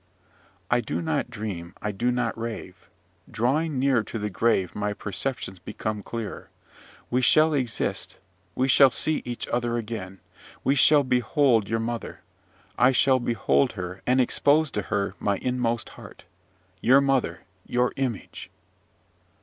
"I do not dream, I do not rave. Drawing nearer to the grave my perceptions become clearer. We shall exist; we shall see each other again; we shall behold your mother; I shall behold her, and expose to her my inmost heart. Your mother your image!"